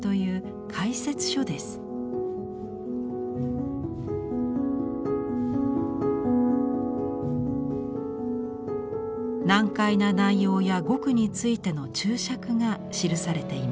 難解な内容や語句についての注釈が記されています。